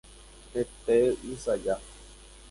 Hete ysaja.